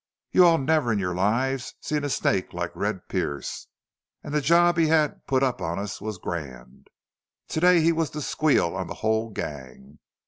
You all never in your lives seen a snake like Red Pearce. An' the job he had put up on us was grand. To day he was to squeal on the whole gang.